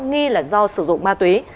nghi là do sử dụng ma túy